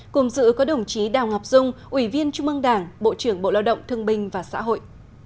cùng dự có đồng chí đào ngọc dung ủy viên trung ương đảng bộ trưởng bộ lao động thương binh và xã hội